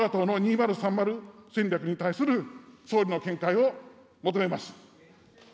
わが党の２０３０戦略に対する総理の見解を求めます。